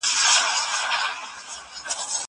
زه هره ورځ مينه څرګندوم!!